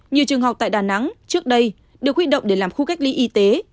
nhiều trường học tại đà nẵng trước đây được huy động để làm khu cách ly y tế